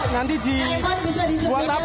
nanti di buat apa